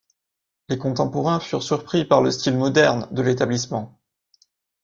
Les contemporains furent surpris par le style moderne de l'établissement.